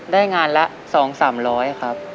ได้งานละ๒๓๐๐ครับ